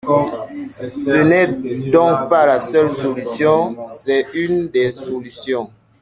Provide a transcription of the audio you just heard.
Ce n’est donc pas la seule solution ; c’est une des solutions.